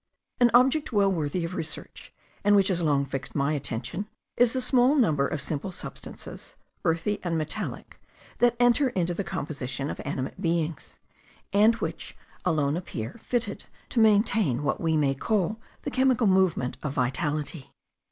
An object well worthy of research, and which has long fixed my attention, is the small number of simple substances (earthy and metallic) that enter into the composition of animated beings, and which alone appear fitted to maintain what we may call the chemical movement of vitality.